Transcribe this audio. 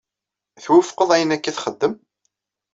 Twufqeḍ ayen akka txeddem?